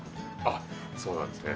あっそうなんですね。